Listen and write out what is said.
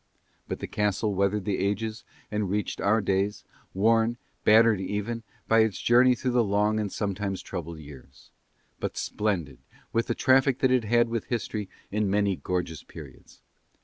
But the castle weathered the ages and reached our days, worn, battered even, by its journey through the long and sometimes troubled years, but splendid with the traffic that it had with history in many gorgeous periods.